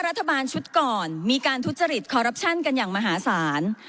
รัฐบาลชุดก่อนมีการทุจริตคอรัปชั่นกันอย่างมหาศาล